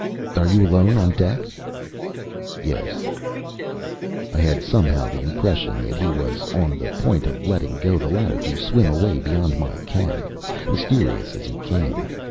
"Are you alone on deck?" "Yes." I had somehow the impression that he was on the point of letting go the ladder to swim away beyond my ken mysterious as he came.